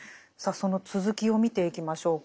その続きを見ていきましょうか。